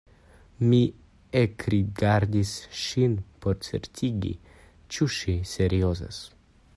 Mi ekrigardis ŝin por certigi ĉu ŝi seriozas.